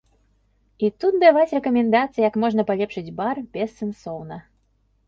І тут даваць рэкамендацыі, як можна палепшыць бар, бессэнсоўна.